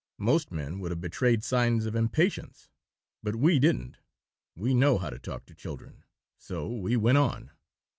Most men would have betrayed signs of impatience, but we didn't. We know how to talk to children, so we went on.